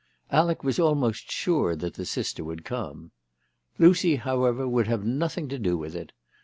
Alec was almost sure that the sister would come. Lucy, however, would have nothing to do with it.